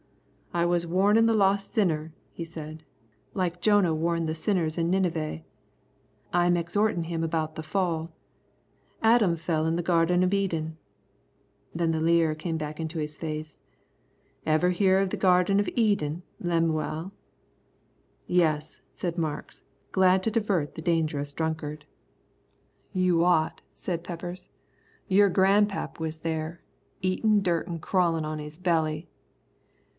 "I was a warnin' the lost sinner," he said, "like Jonah warned the sinners in Nineveh. I'm exhortin' him about the fall. Adam fell in the Garden of Eden." Then the leer came back into his face. "Ever hear of the Garden of Eden, Lemuel?" "Yes," said Marks, glad to divert the dangerous drunkard. "You ought," said Peppers. "Your grandpap was there, eatin' dirt an' crawlin' on his belly."